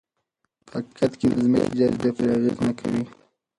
په حقیقت کې د ځمکې جاذبه پرې اغېز نه کوي.